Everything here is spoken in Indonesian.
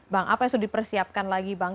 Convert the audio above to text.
bang apa yang sudah dipersiapkan lagi bang